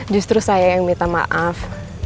justru saya yang minta maaf